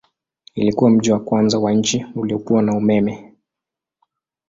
Ilikuwa mji wa kwanza wa nchi uliokuwa na umeme.